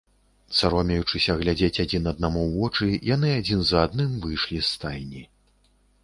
Саромеючыся глядзець адзін аднаму ў вочы, яны, адзін за адным, выйшлі з стайні.